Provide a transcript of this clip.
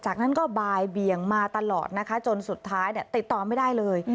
จากนั้นก็บ่ายเบียงมาตลอดนะคะจนสุดท้ายติดต่อไม่ได้เลย